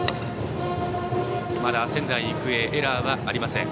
まだ仙台育英はエラーはありません。